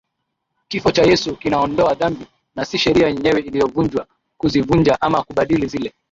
Kifo cha Yesu kinaondoa dhambi na sii Sheria yenyewe iliyovunjwa Kuzivunja ama kubadili zile